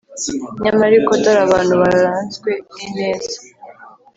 Nyamara ariko, dore abantu baranzwe n’ineza,